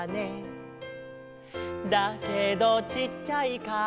「だけどちっちゃいから」